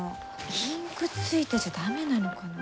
インクついてちゃ駄目なのかな？